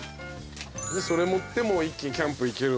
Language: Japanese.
それ持ってもう一気にキャンプ行けるわけですね？